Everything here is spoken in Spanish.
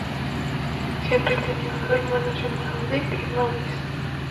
Henri tenía dos hermanos llamados Dick y Maurice.